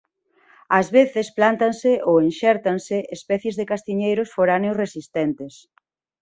Ás veces plántanse ou enxértanse especies de castiñeiros foráneos resistentes.